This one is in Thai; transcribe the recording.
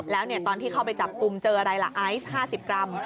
แล้วตอนที่เข้าไปจับกลุ่มเจออะไรล่ะไอซ์๕๐กรัม